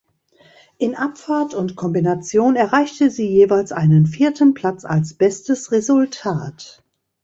In Abfahrt und Kombination erreichte sie jeweils einen vierten Platz als bestes Resultat.